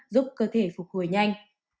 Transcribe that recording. giúp cơ thể phục hồi nhanh